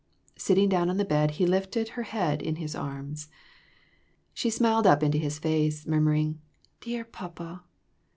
Sitting down on the bed he lifted her head in his arms. She smiled up into his face, murmuring "Dear papa